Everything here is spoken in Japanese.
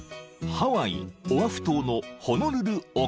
［ハワイオアフ島のホノルル沖］